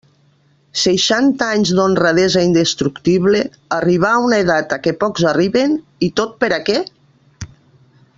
Seixanta anys d'honradesa indestructible, arribar a una edat a què pocs arriben, i tot per a què?